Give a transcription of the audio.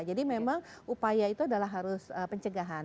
jadi memang upaya itu adalah harus pencegahan